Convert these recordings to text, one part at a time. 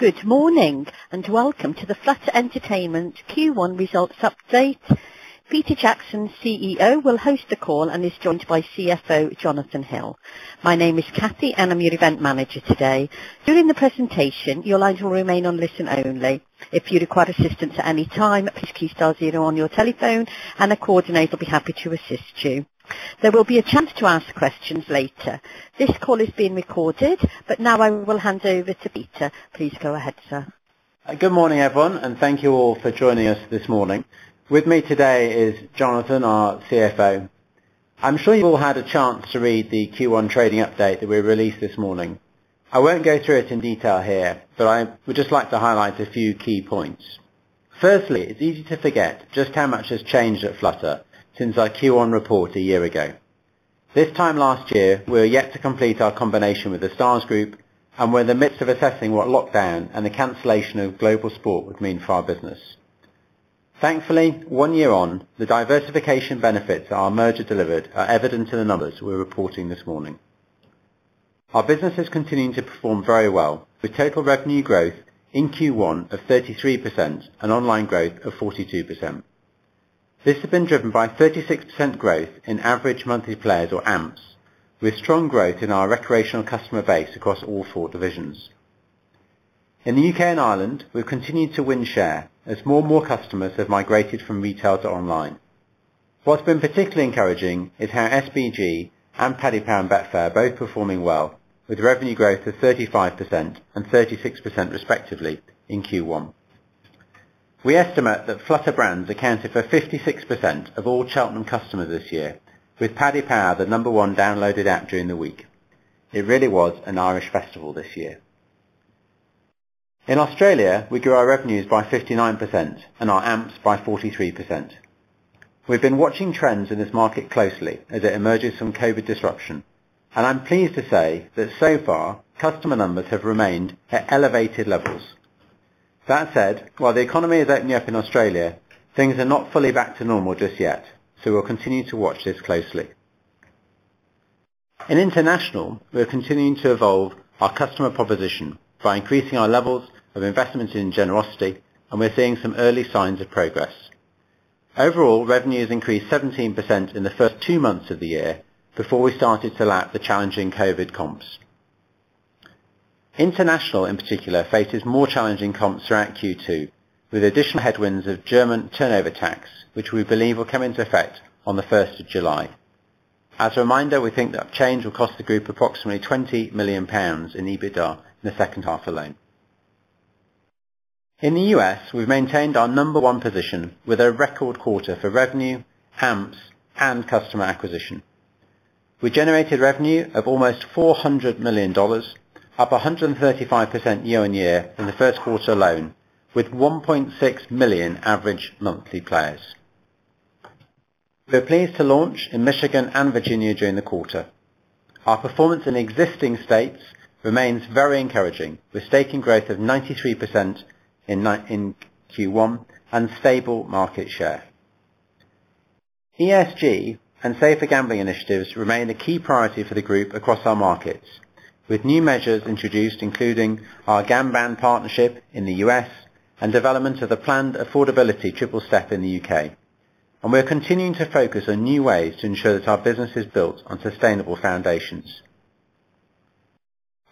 Good morning, welcome to the Flutter Entertainment Q1 results update. Peter Jackson, CEO, will host the call and is joined by CFO, Jonathan Hill. My name is Kathy, and I'm your event manager today. During the presentation, your lines will remain on listen only. If you require assistance at any time, please key star zero on your telephone and a coordinator will be happy to assist you. There will be a chance to ask questions later. This call is being recorded, but now I will hand over to Peter. Please go ahead, sir. Good morning, everyone, and thank you all for joining us this morning. With me today is Jonathan, our CFO. I'm sure you all had a chance to read the Q1 trading update that we released this morning. I won't go through it in detail here, but I would just like to highlight a few key points. Firstly, it's easy to forget just how much has changed at Flutter since our Q1 report a year ago. This time last year, we were yet to complete our combination with The Stars Group and were in the midst of assessing what lockdown and the cancellation of global sport would mean for our business. Thankfully, one year on, the diversification benefits that our merger delivered are evident in the numbers we're reporting this morning. Our business is continuing to perform very well, with total revenue growth in Q1 of 33% and online growth of 42%. This has been driven by 36% growth in average monthly players, or AMPs, with strong growth in our recreational customer base across all four divisions. In the U.K. and Ireland, we've continued to win share as more and more customers have migrated from retail to online. What's been particularly encouraging is how SBG and Paddy Power and Betfair are both performing well, with revenue growth of 35% and 36% respectively in Q1. We estimate that Flutter brands accounted for 56% of all Cheltenham customers this year, with Paddy Power the number 1 downloaded app during the week. It really was an Irish festival this year. In Australia, we grew our revenues by 59% and our AMPs by 43%. We've been watching trends in this market closely as it emerges from COVID disruption, and I'm pleased to say that so far, customer numbers have remained at elevated levels. That said, while the economy is opening up in Australia, things are not fully back to normal just yet, so we'll continue to watch this closely. In international, we are continuing to evolve our customer proposition by increasing our levels of investments in generosity, and we are seeing some early signs of progress. Overall, revenue has increased 17% in the first two months of the year before we started to lap the challenging COVID comps. International in particular, faces more challenging comps throughout Q2, with additional headwinds of German turnover tax, which we believe will come into effect on July 1st. As a reminder, we think that change will cost the group approximately 20 million pounds in EBITDA in the second half alone. In the U.S., we've maintained our number one position with a record quarter for revenue, AMPs, and customer acquisition. We generated revenue of almost $400 million, up 135% year-on-year in the first quarter alone, with 1.6 million average monthly players. We're pleased to launch in Michigan and Virginia during the quarter. Our performance in existing states remains very encouraging, with staking growth of 93% in Q1 and stable market share. ESG and safer gambling initiatives remain a key priority for the group across our markets, with new measures introduced, including our Gamban partnership in the U.S. and development of the planned Affordability Triple Step in the U.K. We are continuing to focus on new ways to ensure that our business is built on sustainable foundations.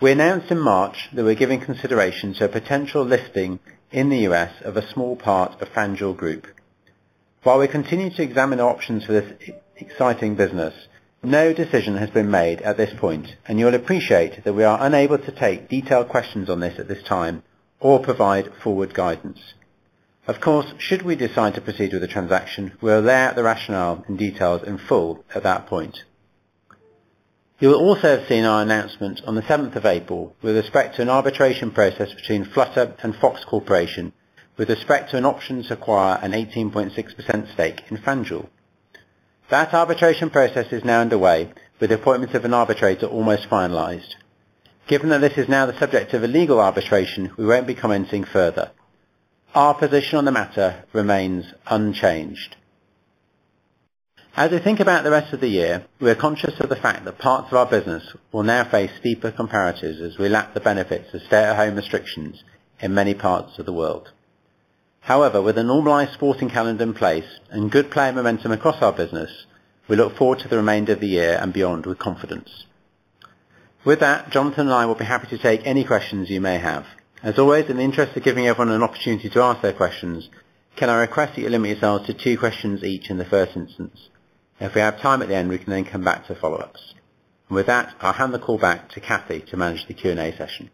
We announced in March that we're giving consideration to a potential listing in the U.S. of a small part of FanDuel Group. While we continue to examine options for this exciting business, no decision has been made at this point, and you'll appreciate that we are unable to take detailed questions on this at this time or provide forward guidance. Of course, should we decide to proceed with the transaction, we'll lay out the rationale and details in full at that point. You will also have seen our announcement on April 7th with respect to an arbitration process between Flutter and Fox Corporation with respect to an option to acquire an 18.6% stake in FanDuel. That arbitration process is now underway, with the appointment of an arbitrator almost finalized. Given that this is now the subject of a legal arbitration, we won't be commenting further. Our position on the matter remains unchanged. As we think about the rest of the year, we are conscious of the fact that parts of our business will now face steeper comparatives as we lap the benefits of stay-at-home restrictions in many parts of the world. However, with a normalized sporting calendar in place and good player momentum across our business, we look forward to the remainder of the year and beyond with confidence. With that, Jonathan and I will be happy to take any questions you may have. As always, in the interest of giving everyone an opportunity to ask their questions, can I request that you limit yourselves to two questions each in the first instance? If we have time at the end, we can then come back to follow-ups. With that, I'll hand the call back to Kathy to manage the Q&A session.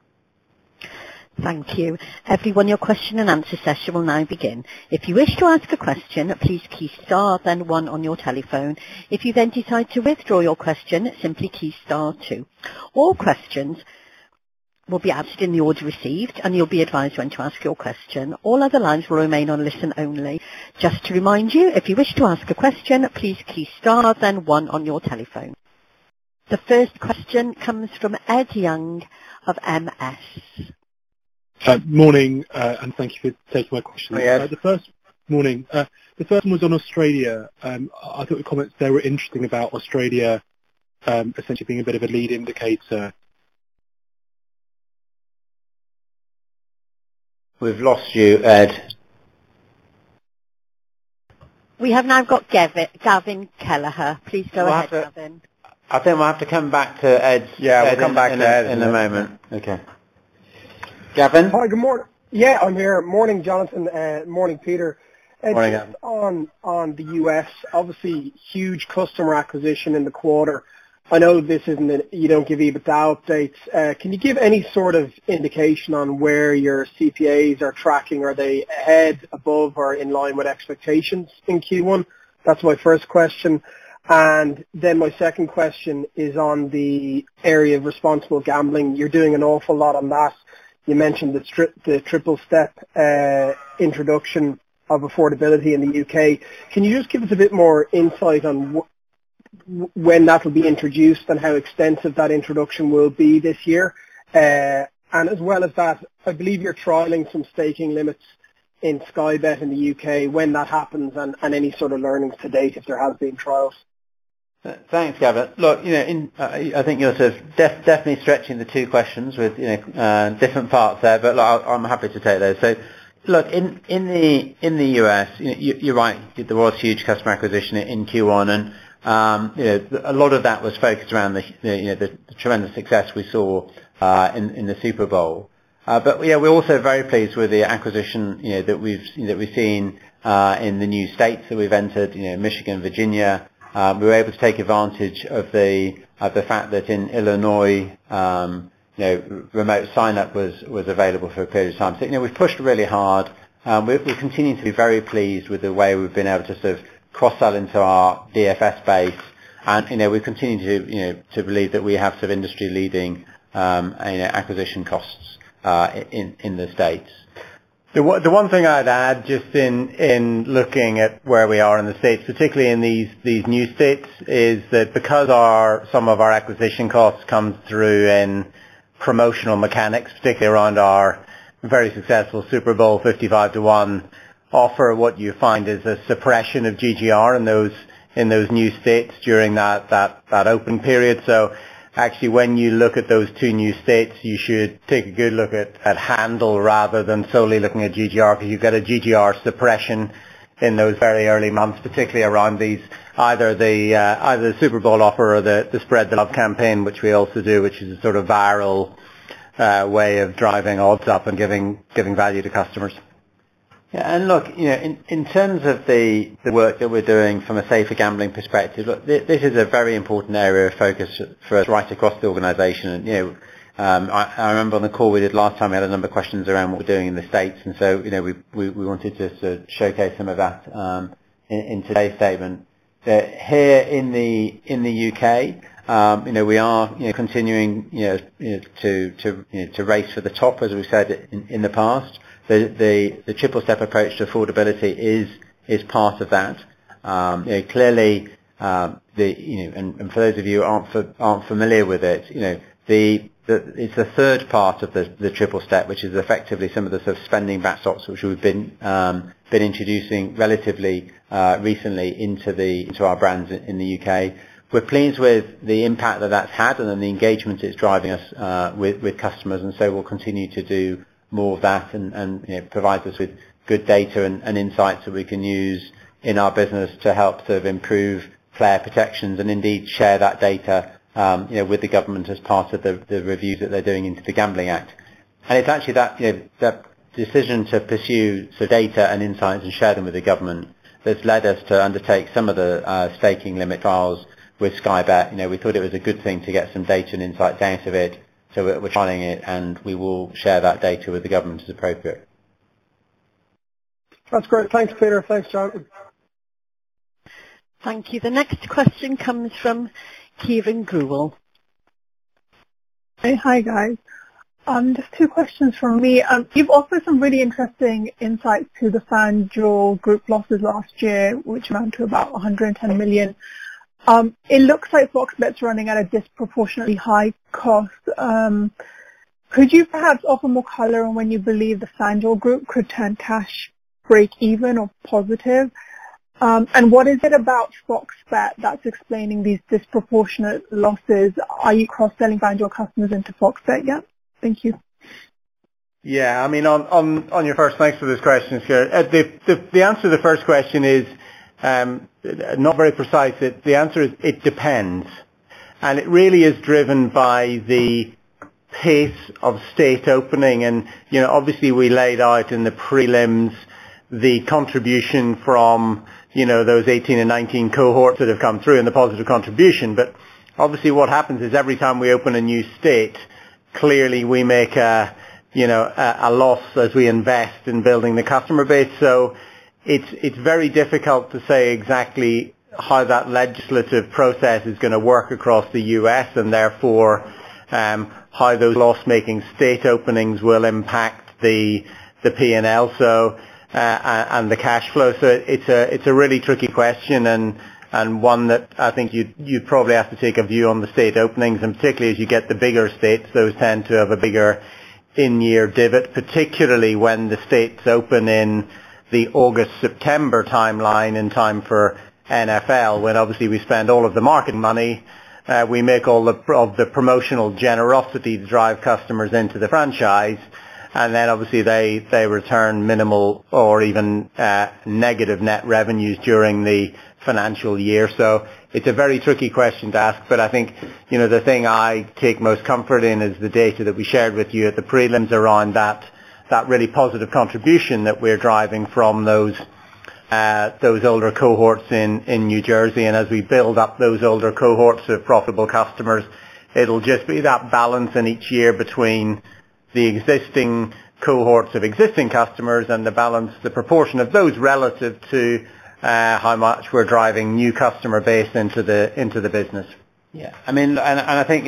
Thank you. Everyone, your question and answer session will now begin. If you wish to ask a question, please key star then one on your telephone. If you then decide to withdraw your question, simply key star two. All questions will be answered in the order received, and you'll be advised when to ask your question. All other lines will remain on listen only. Just to remind you, if you wish to ask a question, please key star then one on your telephone. The first question comes from Ed Young of MS. Hi, Ed. Morning. The first one was on Australia. I thought the comments there were interesting about Australia essentially being a bit of a lead indicator- We've lost you, Ed. We have now got Gavin Kelleher. Please go ahead, Gavin. I think we'll have to come back to Ed- Yeah, we'll come back to Ed. ...in a moment. Okay. Gavin? Hi. Good morning. Yeah, I'm here. Morning, Jonathan. Morning, Peter. Morning Gavin. Just on the U.S., obviously huge customer acquisition in the quarter. I know you don't give EBITDA updates. Can you give any sort of indication on where your CPAs are tracking? Are they ahead, above, or in line with expectations in Q1? That's my first question. Then my second question is on the area of responsible gambling. You're doing an awful lot on that. You mentioned the Triple Step introduction of affordability in the U.K. Can you just give us a bit more insight on when that'll be introduced and how extensive that introduction will be this year? As well as that, I believe you're trialing some staking limits in Sky Bet in the U.K., when that happens and any sort of learnings to date if there have been trials. Thanks, Gavin. Look, I think you're sort of definitely stretching the two questions with different parts there, but I'm happy to take those. Look, in the U.S., you're right, there was huge customer acquisition in Q1, and a lot of that was focused around the tremendous success we saw in the Super Bowl. Yeah, we're also very pleased with the acquisition that we've seen in the new states that we've entered, Michigan, Virginia. We were able to take advantage of the fact that in Illinois, remote sign up was available for a period of time. We've pushed really hard. We continue to be very pleased with the way we've been able to sort of cross-sell into our DFS base. We continue to believe that we have sort of industry-leading acquisition costs in the States. The one thing I'd add just in looking at where we are in the States, particularly in these new states, is that because some of our acquisition costs come through in promotional mechanics, particularly around our very successful Super Bowl 55 to 1 offer, what you find is a suppression of GGR in those new states during that open period. Actually, when you look at those two new states, you should take a good look at handle rather than solely looking at GGR because you get a GGR suppression in those very early months, particularly around either the Super Bowl offer or the Spread the Love campaign, which we also do, which is a sort of viral way of driving odds up and giving value to customers. Yeah. Look, in terms of the work that we're doing from a safer gambling perspective, look, this is a very important area of focus for us right across the organization. I remember on the call we did last time, we had a number of questions around what we're doing in the U.S., so we wanted just to showcase some of that in today's statement. Here in the U.K., we are continuing to race for the top, as we've said in the past. The Affordability Triple Step is part of that. Clearly, for those of you who aren't familiar with it's the third part of the Affordability Triple Step, which is effectively some of the spending backstops, which we've been introducing relatively recently into our brands in the U.K. We're pleased with the impact that that's had and the engagement it's driving us with customers, and so we'll continue to do more of that and it provides us with good data and insights that we can use in our business to help sort of improve player protections and indeed share that data with the government as part of the review that they're doing into the Gambling Act. It's actually that decision to pursue the data and insights and share them with the government that's led us to undertake some of the staking limit trials with Sky Bet. We thought it was a good thing to get some data and insight out of it, so we're trialing it, and we will share that data with the government as appropriate. That's great. Thanks, Peter. Thanks, Jonathan. Thank you. The next question comes from [Kiran Grewal]. Hi, guys. Just two questions from me. You've offered some really interesting insights to the FanDuel Group losses last year, which amount to about 110 million. It looks like FOX Bet's running at a disproportionately high cost. Could you perhaps offer more color on when you believe the FanDuel Group could turn cash breakeven or positive? What is it about FOX Bet that's explaining these disproportionate losses? Are you cross-selling FanDuel customers into FOX Bet, yeah? Thank you. Yeah. Thanks for this question, Kiran. The answer to the first question is not very precise. The answer is, it depends. It really is driven by the pace of state opening, and obviously we laid out in the prelims the contribution from those 2018 and 2019 cohorts that have come through and the positive contribution. Obviously what happens is every time we open a new state, clearly we make a loss as we invest in building the customer base. It's very difficult to say exactly how that legislative process is going to work across the U.S. and therefore how those loss-making state openings will impact the P&L and the cash flow. It's a really tricky question and one that I think you'd probably have to take a view on the state openings, and particularly as you get the bigger states, those tend to have a bigger in-year divot, particularly when the states open in the August-September timeline in time for NFL, when obviously we spend all of the market money, we make all of the promotional generosity to drive customers into the franchise, and then obviously they return minimal or even negative net revenues during the financial year. It's a very tricky question to ask, but I think the thing I take most comfort in is the data that we shared with you at the prelims around that really positive contribution that we're driving from those older cohorts in New Jersey. As we build up those older cohorts of profitable customers, it'll just be that balance in each year between the existing cohorts of existing customers and the balance, the proportion of those relative to how much we're driving new customer base into the business. Yeah. I think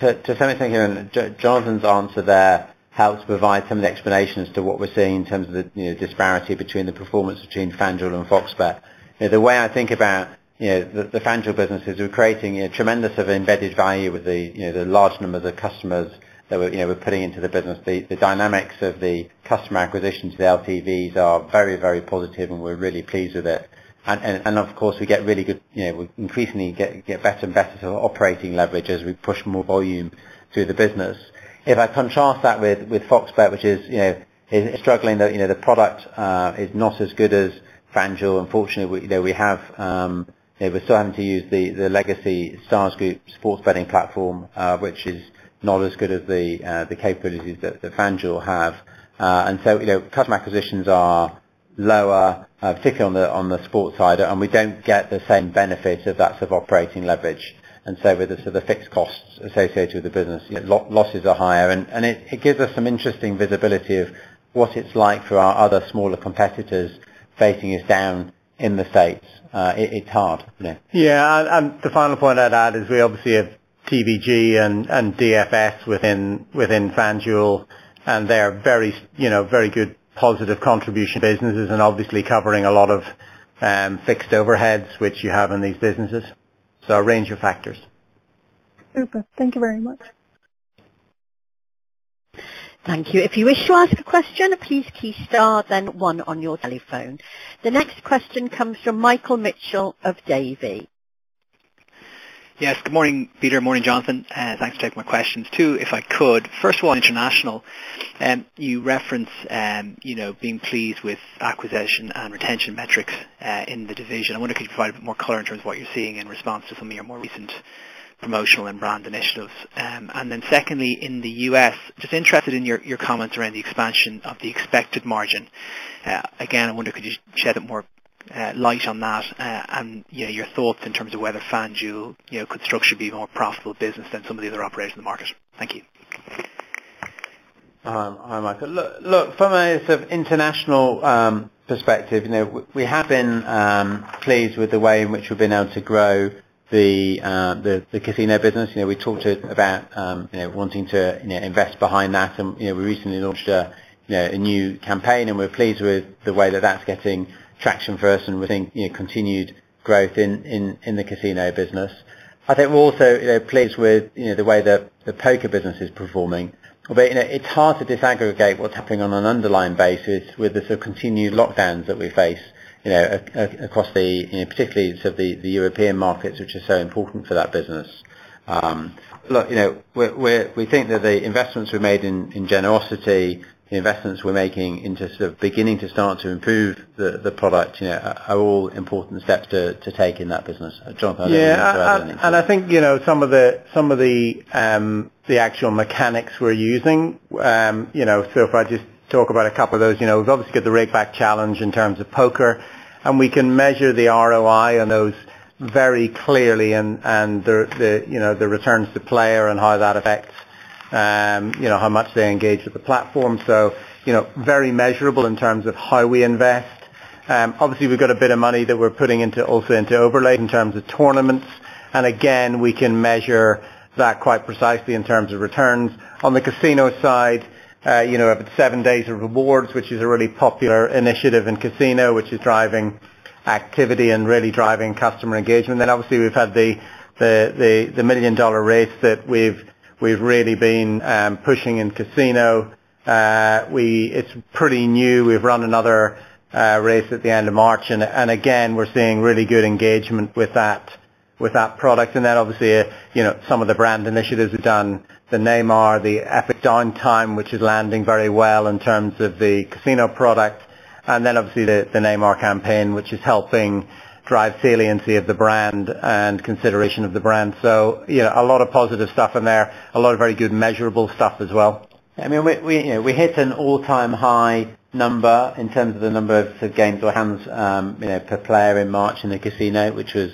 to Jonathan's answer there helps provide some of the explanation as to what we're seeing in terms of the disparity between the performance between FanDuel and FOX Bet. The way I think about the FanDuel business is we're creating a tremendous of embedded value with the large number of the customers that we're putting into the business. The dynamics of the customer acquisitions, the LTVs are very, very positive, and we're really pleased with it. Of course, we increasingly get better and better operating leverage as we push more volume through the business. If I contrast that with FOX Bet, which is struggling, the product is not as good as FanDuel. Unfortunately, we're still having to use the legacy Stars Group sports betting platform, which is not as good as the capabilities that FanDuel have. Customer acquisitions are lower, particularly on the sports side, and we don't get the same benefit of that sort of operating leverage. The fixed costs associated with the business, losses are higher, and it gives us some interesting visibility of what it's like for our other smaller competitors facing us down in the States. It's hard. Yeah. The final point I'd add is we obviously have TVG and DFS within FanDuel, and they are very good positive contribution businesses and obviously covering a lot of fixed overheads, which you have in these businesses. A range of factors. Super. Thank you very much. Thank you. If you wish to ask a question, please key star then one on your telephone. The next question comes from Michael Mitchell of Davy. Yes, good morning, Peter. Morning, Jonathan. Thanks for taking my questions too, if I could. First of all, international, you reference being pleased with acquisition and retention metrics, in the division. I wonder if you could provide a bit more color in terms of what you're seeing in response to some of your more recent promotional and brand initiatives. Then secondly, in the U.S., just interested in your comments around the expansion of the expected margin. Again, I wonder, could you shed more light on that, and your thoughts in terms of whether FanDuel could structure be more profitable business than some of the other operators in the market. Thank you. Hi, Michael. From an international perspective, we have been pleased with the way in which we've been able to grow the casino business. We talked about wanting to invest behind that. We recently launched a new campaign, and we're pleased with the way that that's getting traction for us and we think continued growth in the casino business. I think we're also pleased with the way the poker business is performing. It's hard to disaggregate what's happening on an underlying basis with the sort of continued lockdowns that we face across particularly the European markets, which are so important for that business. We think that the investments we made in generosity, the investments we're making into sort of beginning to start to improve the product are all important steps to take in that business. Jonathan, I don't know if you have anything to add. Yeah. I think some of the actual mechanics we're using, so if I just talk about a couple of those, we've obviously got the rakeback challenge in terms of poker, and we can measure the ROI on those very clearly and the returns to player and how that affects how much they engage with the platform. Very measurable in terms of how we invest. Obviously, we've got a bit of money that we're putting also into overlay in terms of tournaments. Again, we can measure that quite precisely in terms of returns. On the casino side, seven days of rewards, which is a really popular initiative in casino, which is driving activity and really driving customer engagement. Obviously, we've had the Million Dollar Race that we've really been pushing in casino. It's pretty new. We've run another race at the end of March, and again, we're seeing really good engagement with that product. Obviously, some of the brand initiatives we've done, the Neymar, the Epic Downtime, which is landing very well in terms of the casino product. Obviously the Neymar campaign, which is helping drive saliency of the brand and consideration of the brand. A lot of positive stuff in there, a lot of very good measurable stuff as well. We hit an all-time high number in terms of the number of games or hands per player in March in the casino, which was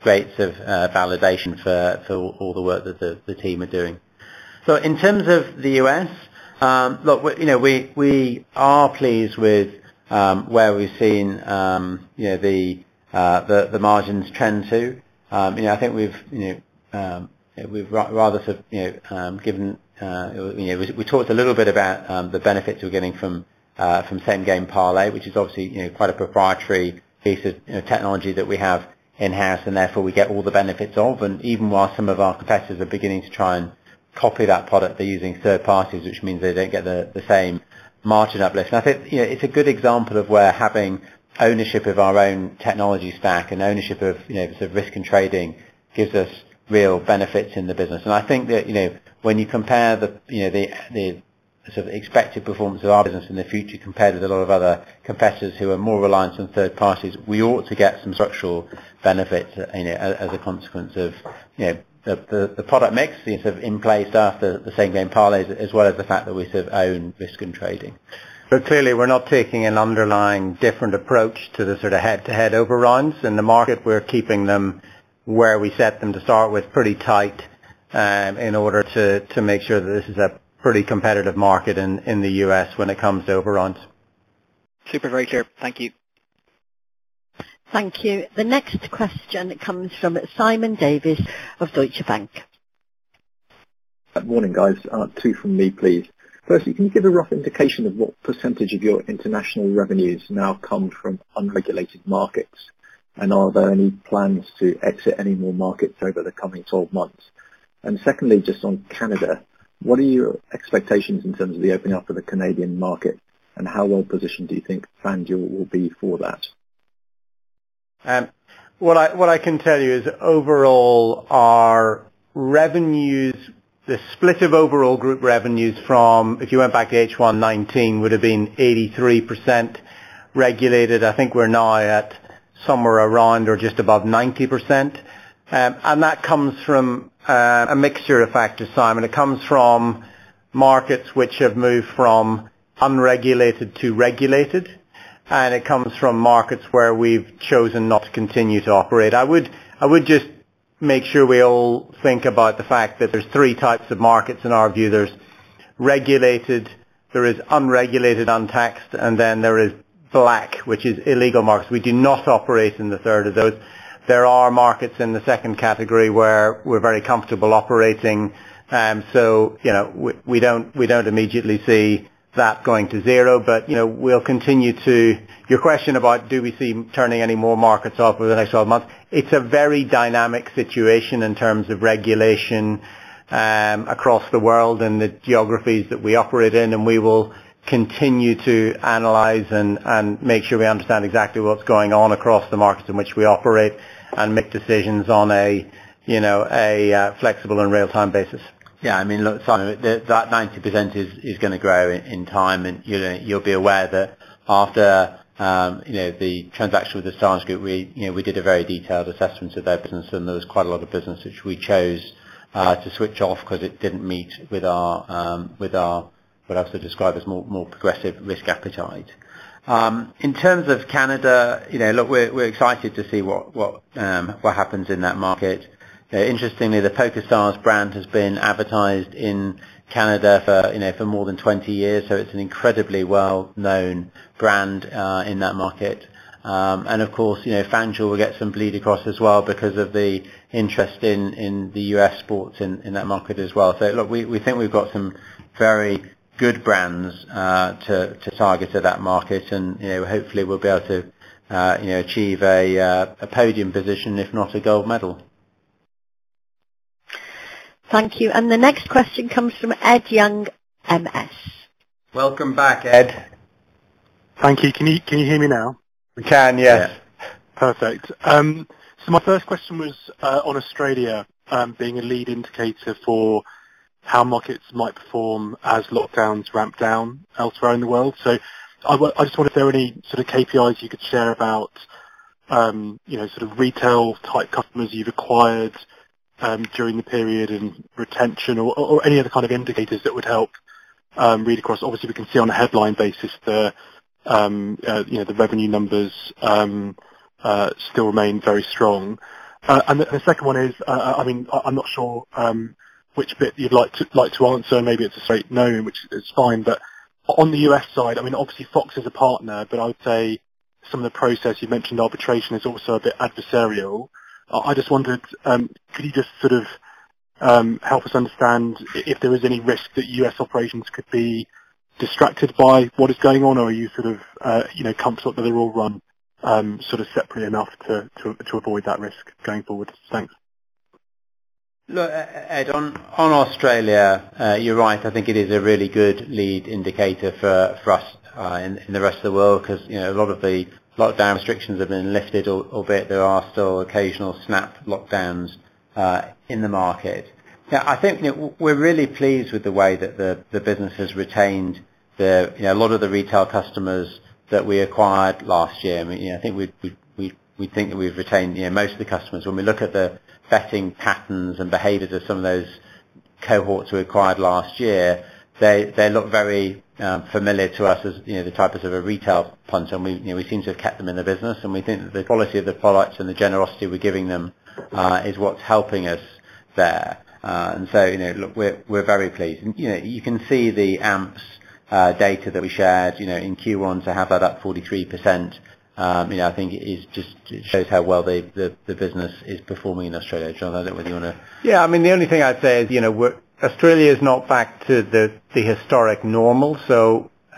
great validation for all the work that the team are doing. In terms of the U.S., look, we are pleased with where we've seen the margins trend too. We talked a little bit about the benefits we're getting from Same Game Parlay, which is obviously quite a proprietary piece of technology that we have in-house and therefore we get all the benefits of, and even while some of our competitors are beginning to try and copy that product, they're using third parties, which means they don't get the same margin uplift. I think it's a good example of where having ownership of our own technology stack and ownership of risk and trading gives us real benefits in the business. I think that when you compare the expected performance of our business in the future compared with a lot of other competitors who are more reliant on third parties, we ought to get some structural benefits as a consequence of the product mix in place after the Same Game Parlays, as well as the fact that we own risk and trading. Clearly we're not taking an underlying different approach to the head-to-head over-rounds. In the market, we're keeping them where we set them to start with, pretty tight, in order to make sure that this is a pretty competitive market in the U.S. when it comes to over-rounds. Super. Very clear. Thank you. Thank you. The next question comes from Simon Davies of Deutsche Bank. Good morning, guys. Two from me, please. Firstly, can you give a rough indication of what percentage of your international revenues now come from unregulated markets? Are there any plans to exit any more markets over the coming 12 months? Secondly, just on Canada, what are your expectations in terms of the opening up of the Canadian market, and how well-positioned do you think FanDuel will be for that? What I can tell you is overall, our revenues, the split of overall group revenues from, if you went back to H1 2019, would have been 83% regulated. I think we're now at somewhere around or just above 90%. That comes from a mixture of factors, Simon. It comes from markets which have moved from unregulated to regulated. It comes from markets where we've chosen not to continue to operate. I would just make sure we all think about the fact that there's three types of markets in our view. There's regulated, there is unregulated untaxed. Then there is black, which is illegal markets. We do not operate in the third of those. There are markets in the second category where we're very comfortable operating. We don't immediately see that going to zero. Your question about do we see turning any more markets off over the next 12 months, it's a very dynamic situation in terms of regulation across the world and the geographies that we operate in, and we will continue to analyze and make sure we understand exactly what's going on across the markets in which we operate and make decisions on a flexible and real-time basis. Yeah, Simon, that 90% is going to grow in time, and you'll be aware that after the transaction with The Stars Group, we did a very detailed assessment of their business and there was quite a lot of business which we chose to switch off because it didn't meet with our, what I would describe as more progressive risk appetite. In terms of Canada, look, we're excited to see what happens in that market. Interestingly, the PokerStars brand has been advertised in Canada for more than 20 years, so it's an incredibly well-known brand in that market. Of course, FanDuel will get some bleed across as well because of the interest in the U.S. sports in that market as well. Look, we think we've got some very good brands to target to that market, and hopefully we'll be able to achieve a podium position, if not a gold medal. Thank you. The next question comes from Ed Young, MS. Welcome back, Ed. Thank you. Can you hear me now? We can, yes. Yeah. Perfect. My first question was on Australia being a lead indicator for how markets might perform as lockdowns ramp down elsewhere in the world. I just wonder if there are any sort of KPIs you could share about retail-type customers you've acquired during the period, and retention or any other kind of indicators that would help read across. Obviously, we can see on a headline basis the revenue numbers still remain very strong. The second one is, I'm not sure which bit you'd like to answer. Maybe it's a straight no, which is fine, but on the U.S. side, obviously Fox is a partner, but I would say some of the process you mentioned, arbitration, is also a bit adversarial. I just wondered, could you just sort of help us understand if there is any risk that U.S. operations could be distracted by what is going on? Are you sort of comfortable that they're all run sort of separately enough to avoid that risk going forward? Thanks. Look, Ed, on Australia, you're right. I think it is a really good lead indicator for us in the rest of the world because a lot of the lockdown restrictions have been lifted, albeit there are still occasional snap lockdowns in the market. I think we're really pleased with the way that the business has retained a lot of the retail customers that we acquired last year. We think that we've retained most of the customers. When we look at the betting patterns and behaviors of some of those cohorts we acquired last year, they look very familiar to us as the type of retail punter and we seem to have kept them in the business, and we think that the quality of the products and the generosity we're giving them is what's helping us there. Look, we're very pleased. You can see the AMPs data that we shared in Q1, to have that up 43%, I think it just shows how well the business is performing in Australia. Jonathan, I don't know whether you want to- Yeah. The only thing I'd say is Australia is not back to the historic normal,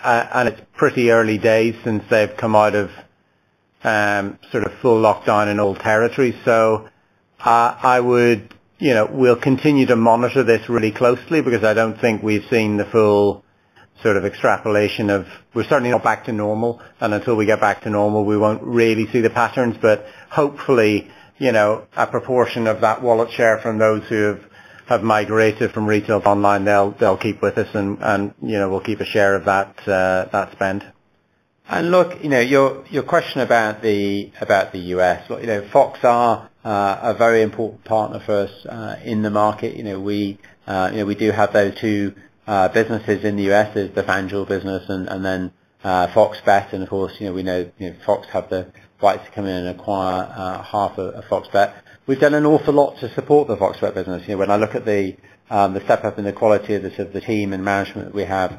and it's pretty early days since they've come out of sort of full lockdown in all territories. We'll continue to monitor this really closely because I don't think we've seen the full. We're certainly not back to normal, and until we get back to normal, we won't really see the patterns. Hopefully, a proportion of that wallet share from those who have migrated from retail to online, they'll keep with us, and we'll keep a share of that spend. Look, your question about the U.S. Fox are a very important partner for us in the market. We do have those two businesses in the U.S., is the FanDuel business and then FOX Bet and of course, we know Fox have the right to come in and acquire half of FOX Bet. We've done an awful lot to support the FOX Bet business. When I look at the setup and the quality of the team and management that we have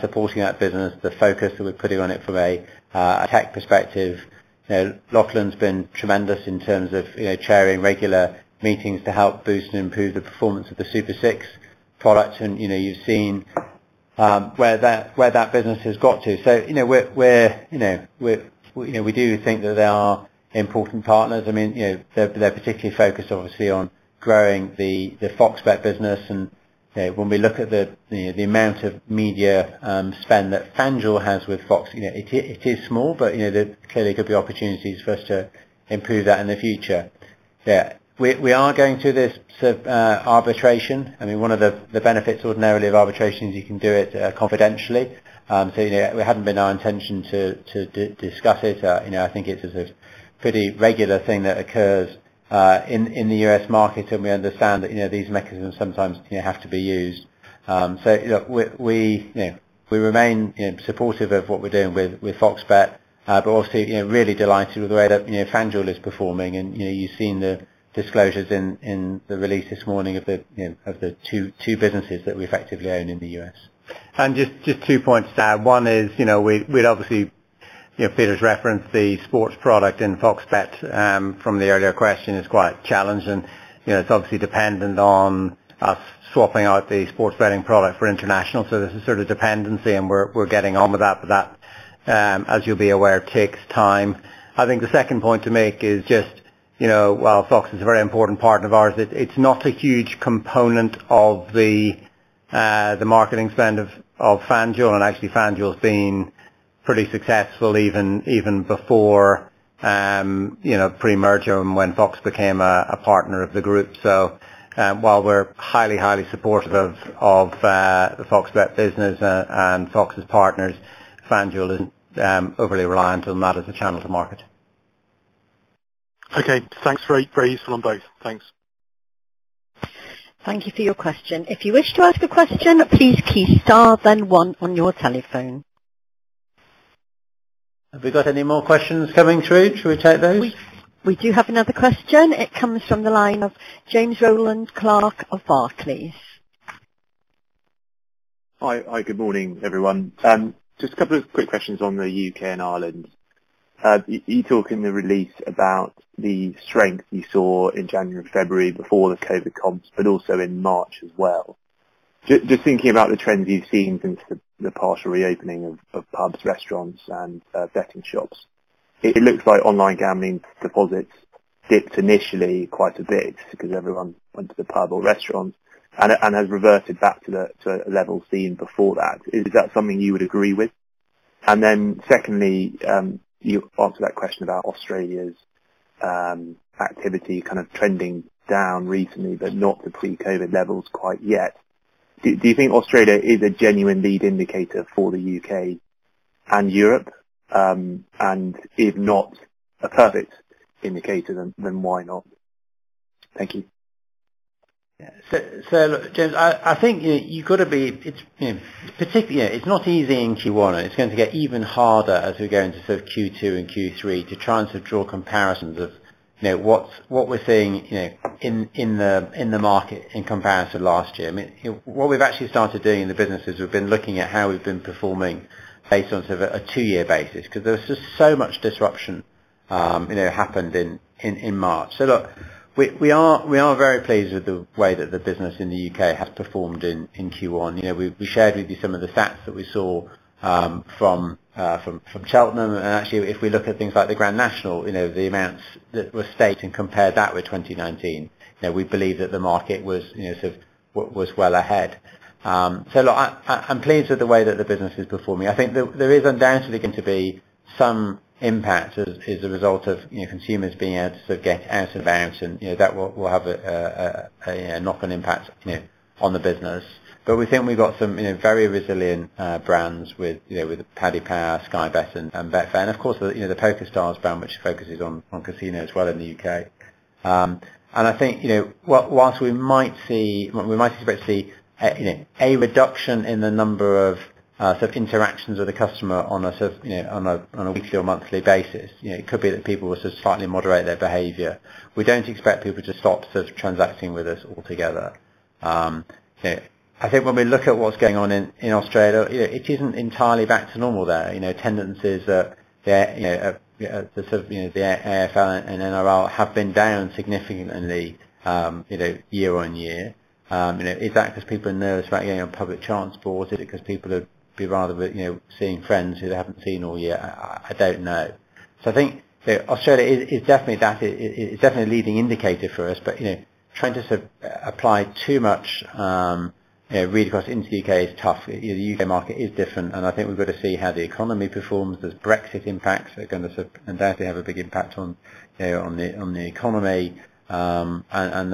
supporting that business, the focus that we're putting on it from a tech perspective, Lachlan's been tremendous in terms of chairing regular meetings to help boost and improve the performance of the Super 6 product and you've seen where that business has got to. We do think that they are important partners. They're particularly focused obviously on growing the FOX Bet business and when we look at the amount of media spend that FanDuel has with Fox, it is small but there clearly could be opportunities for us to improve that in the future. We are going through this arbitration. One of the benefits ordinarily of arbitration is you can do it confidentially. It hadn't been our intention to discuss it. I think it is a pretty regular thing that occurs in the U.S. market and we understand that these mechanisms sometimes have to be used. We remain supportive of what we're doing with FOX Bet, but also really delighted with the way that FanDuel is performing and you've seen the disclosures in the release this morning of the two businesses that we effectively own in the U.S. Just two points to add. One is we'd obviously, Peter's referenced the sports product in FOX Bet from the earlier question is quite challenging. It's obviously dependent on us swapping out the sports betting product for international. There's a sort of dependency and we're getting on with that but that, as you'll be aware, takes time. I think the second point to make is just while Fox is a very important partner of ours, it's not a huge component of the marketing spend of FanDuel and actually FanDuel's been pretty successful even before pre-merger and when Fox became a partner of the group. While we're highly supportive of the FOX Bet business and Fox as partners, FanDuel isn't overly reliant on that as a channel to market. Okay. Thanks. Very useful on both. Thanks. Thank you for your question. If you wish to ask a question, please key star then one on your telephone. Have we got any more questions coming through? Should we take those? We do have another question. It comes from the line of James Rowland Clark of Barclays. Hi. Good morning, everyone. Just a couple of quick questions on the U.K. and Ireland. You talk in the release about the strength you saw in January and February before the COVID comps, but also in March as well. Just thinking about the trends you've seen since the partial reopening of pubs, restaurants and betting shops. It looks like online gambling deposits dipped initially quite a bit because everyone went to the pub or restaurants and has reverted back to levels seen before that. Is that something you would agree with? Secondly, you answered that question about Australia's activity kind of trending down recently, but not to pre-COVID levels quite yet. Do you think Australia is a genuine lead indicator for the U.K. and Europe? If not a perfect indicator, then why not? Thank you. Look, James, I think it's not easy in Q1 and it's going to get even harder as we go into Q2 and Q3 to try and draw comparisons of what we're seeing in the market in comparison to last year. What we've actually started doing in the business is we've been looking at how we've been performing based on a two-year basis because there was just so much disruption happened in March. Look, we are very pleased with the way that the business in the U.K. has performed in Q1. We shared with you some of the stats that we saw from Cheltenham and actually if we look at things like the Grand National, the amounts that were staked and compare that with 2019, we believe that the market was well ahead. Look, I'm pleased with the way that the business is performing. I think there is undoubtedly going to be some impact as a result of consumers being able to get out and about and that will have a knock-on impact on the business. We think we've got some very resilient brands with Paddy Power, Sky Bet and Betfair and of course, the PokerStars brand which focuses on casino as well in the U.K. I think whilst we might expect to see a reduction in the number of interactions with the customer on a weekly or monthly basis, it could be that people will just slightly moderate their behavior. We don't expect people to stop transacting with us altogether. I think when we look at what's going on in Australia, it isn't entirely back to normal there. Attendances at the AFL and NRL have been down significantly year-on-year. Is that because people are nervous about getting on public transport? Is it because people would rather be seeing friends who they haven't seen all year? I don't know. I think Australia is definitely a leading indicator for us, but trying to apply too much read across into the U.K. is tough. The U.K. market is different and I think we've got to see how the economy performs. There's Brexit impacts are going to undoubtedly have a big impact on the economy and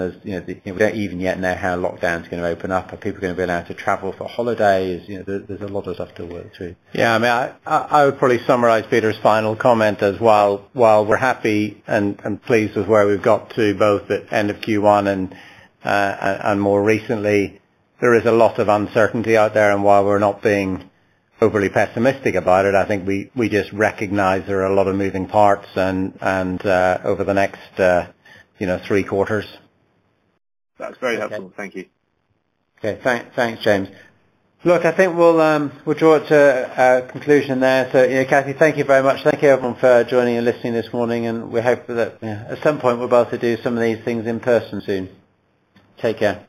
we don't even yet know how lockdown is going to open up. Are people going to be allowed to travel for holidays? There's a lot of stuff to work through. Yeah, I would probably summarize Peter's final comment as while we're happy and pleased with where we've got to both at end of Q1 and more recently, there is a lot of uncertainty out there and while we're not being overly pessimistic about it, I think we just recognize there are a lot of moving parts and over the next three quarters. That's very helpful. Thank you. Okay. Thanks, James. Look, I think we'll draw to a conclusion there. Kathy, thank you very much. Thank you everyone for joining and listening this morning and we hope that at some point we'll be able to do some of these things in person soon. Take care.